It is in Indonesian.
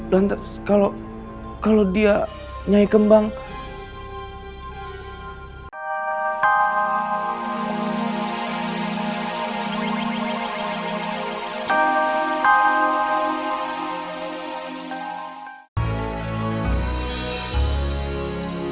lantas kalau dia lanyai kembar